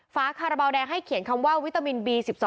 คาราบาลแดงให้เขียนคำว่าวิตามินบี๑๒